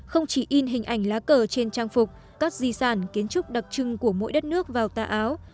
không chỉ in hình ảnh lá cờ trên trang phục các di sản kiến trúc đặc trưng của mỗi đất nước vào tà áo